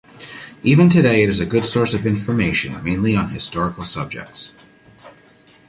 Even today, it is a good source of information, mainly on historical subjects.